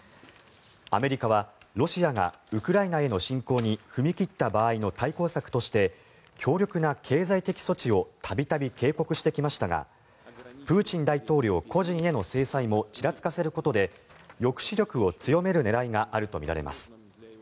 アメリカはロシアがウクライナへの侵攻に踏み切った場合の対抗策として強力な経済的措置を度々、警告してきましたがプーチン大統領個人への制裁もちらつかせることで抑止力を強める狙いがあるとみられます。